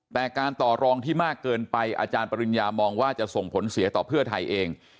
แต่การต่อรองที่มากเกินไปอาจารย์ปริญญามองว่าจะส่งผลเสียต่อเพื่อไทยเอง